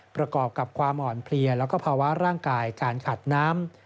ประกอบกับความอ่อนเพลียแล้วก็ภาวะร่างกายการขัดน้ำ